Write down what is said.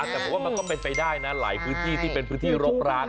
แต่ผมว่ามันก็เป็นไปได้นะหลายพื้นที่ที่เป็นพื้นที่รกร้าง